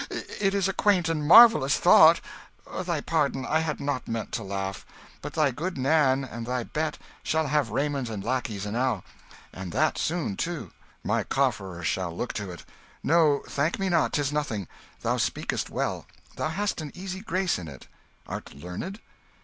"It is a quaint and marvellous thought! Thy pardon, I had not meant to laugh. But thy good Nan and thy Bet shall have raiment and lackeys enow, and that soon, too: my cofferer shall look to it. No, thank me not; 'tis nothing. Thou speakest well; thou hast an easy grace in it. Art learned?"